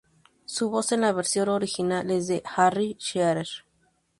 Su voz en la versión original es de Harry Shearer.